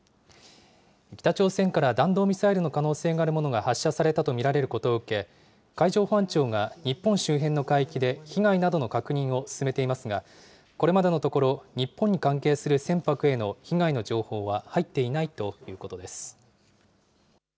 北朝鮮から弾道ミサイルの可能性があるものが発射されたと見られることを受け、海上保安庁が日本周辺の海域で被害などの確認を進めていますが、これまでのところ、日本に関係する船舶への被害の情報は入っていないということです。